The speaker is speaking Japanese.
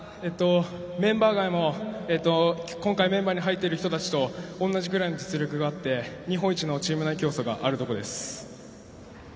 メンバー外も今回メンバーに入ってる人たちと同じぐらいの実力があって日本一のチーム内競争があるとこです。